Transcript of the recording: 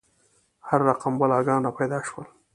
هر رقم بلاګان را پیدا شول.